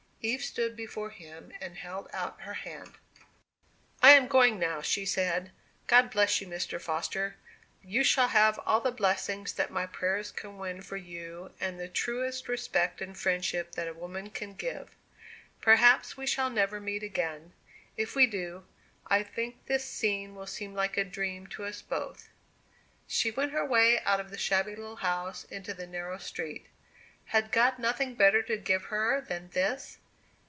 Eve stood before him and held out her hand. "I am going now," she said. "God bless you, Mr. Foster. You shall have all the blessings that my prayers can win for you; and the truest respect and friendship that a woman can give. Perhaps we shall never meet again. If we do, I think this scene will seem like a dream to us both." She went her way out of the shabby little house into the narrow street. Had God nothing better to give her than this?